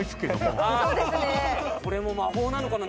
これも魔法なのかな？